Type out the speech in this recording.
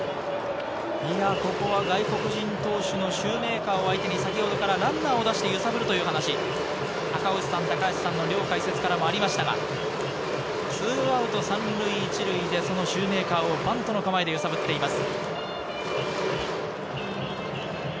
ここは外国人投手のシューメーカーを相手に、先ほどからランナーを出して揺さぶるという話、赤星さん、高橋さんの両解説からもありましたが、２アウト３塁１塁でそのシューメーカーをバントの構えで揺さぶっています。